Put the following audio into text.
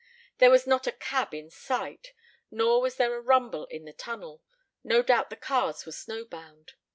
There was not a cab in sight. Nor was there a rumble in the tunnel; no doubt the cars were snow bound.